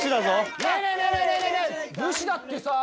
武士だってさ